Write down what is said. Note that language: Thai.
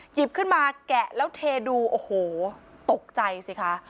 หยิบขึ้นมาแกะแล้วเทดูโอ้โหตกใจสิคะ